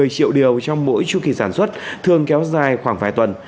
triệu điều trong mỗi chu kỳ sản xuất thường kéo dài khoảng vài tuần